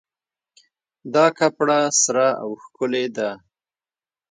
دا کپړه سره او ښکلې ده